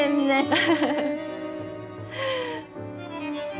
フフフフ。